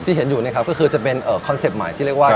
ที่เห็นอยู่ก็คือจะเป็นคอนเซปต์ใหม่ที่เรียกว่า